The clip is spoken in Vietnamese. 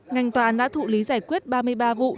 ngành tòa án đã thụ lý giải quyết ba mươi ba vụ